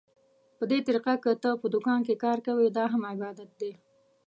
په دې طريقه که ته په دوکان کې کار کوې، دا هم عبادت دى.